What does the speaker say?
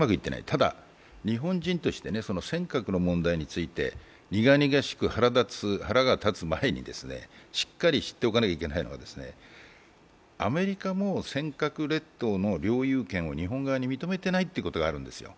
ただ日本人として尖閣の問題について苦々しく腹が立つ前にしっかり知っておかなきゃいけないのは、アメリカも尖閣列島の領有権を日本側に認めてないところがあるんです。